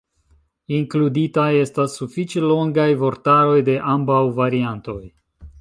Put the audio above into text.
Inkluditaj estas sufiĉe longaj vortaroj de ambaŭ variantoj.